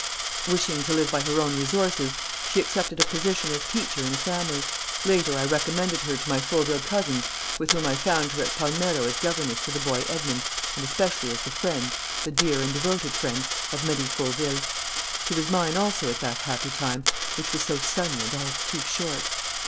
"Wishing to live by her own resources, she accepted a position as teacher in a family. Later I recommended her to my Fauville cousins with whom I found her at Palmero as governess to the boy Edmond and especially as the friend, the dear and devoted friend, of Marie Fauville.... She was mine, also, at that happy time, which was so sunny and all too short.